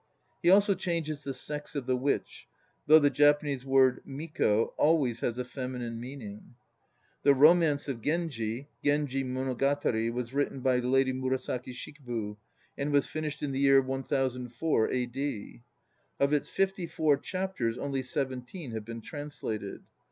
He also changes the sex of the Witch, though the Japanese word, miko, always has a feminine mean ing. The "Romance of Genji" (Genji Monogatari) was written by Lady Murasaki Shikibu and was finished in the year 1004 A. D. Of its fifty four chapters only seventeen have been translated.